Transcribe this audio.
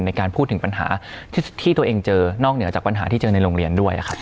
ในการพูดถึงปัญหาที่ตัวเองเจอนอกเหนือจากปัญหาที่เจอในโรงเรียนด้วยครับ